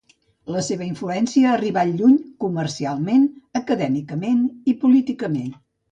La seva influència ha arribat lluny comercialment, acadèmicament i políticament.